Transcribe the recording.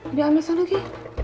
udah amat sana lagi